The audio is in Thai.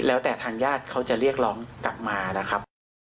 แล้วแต่ทางญาติเขาจะเรียกร้องกลับมานะครับ